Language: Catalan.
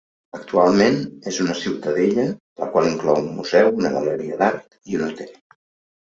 Actualment és una ciutadella, la qual inclou un museu, una galeria d'art i un hotel.